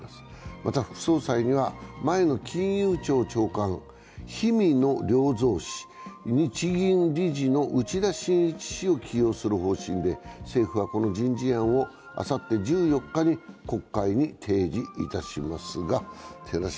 また副総裁には前の金融庁長官、氷見野良三氏、日銀理事の内田眞一氏を起用する方針で政府は、この人事案を、あさって１４日に国会に提示いたします。